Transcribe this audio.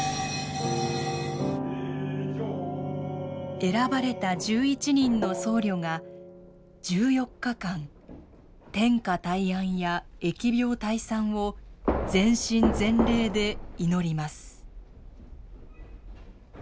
選ばれた１１人の僧侶が１４日間天下泰安や疫病退散を全身全霊で祈ります。